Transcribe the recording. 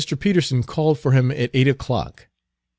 Peterson called for him at eight o'clock.